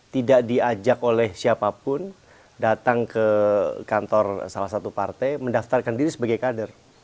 tidak diajak oleh siapapun datang ke kantor salah satu partai mendaftarkan diri sebagai kader